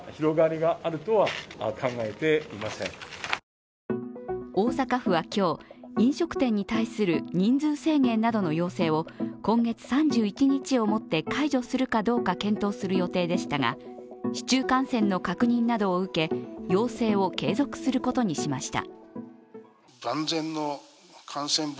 後藤厚生労働大臣は大阪府は今日、飲食店に対する人数制限などの要請を今月３１日をもって解除するかどうかを検討する予定でしたが、市中感染の確認などを受け要請を継続することにしました。